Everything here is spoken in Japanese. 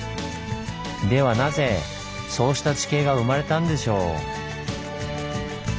ではなぜそうした地形が生まれたんでしょう？